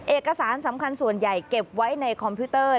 เอกสารสำคัญส่วนใหญ่เก็บไว้ในคอมพิวเตอร์